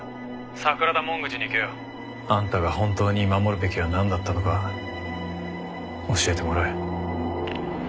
「桜田門口に行けよ」あんたが本当に守るべきはなんだったのか教えてもらえ。